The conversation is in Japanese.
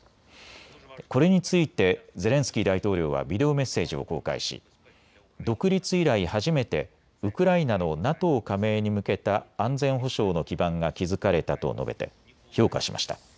これについてゼレンスキー大統領はビデオメッセージを公開し独立以来初めてウクライナのＮＡＴＯ加盟に向けた安全保障の基盤が築かれたと述べて評価しました。